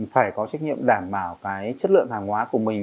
phải có trách nhiệm đảm bảo cái chất lượng hàng hóa của mình